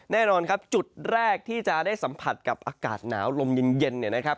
แน่นอนครับจุดแรกที่จะได้สัมผัสกับอากาศหนาวลมเย็นเนี่ยนะครับ